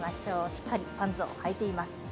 しっかりパンツをはいています。